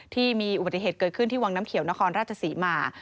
ที่มีอุบัติเหตุเกิดขึ้นที่วังน้ำเขียวนครราชศรีมา